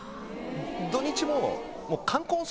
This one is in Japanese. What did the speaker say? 土日も。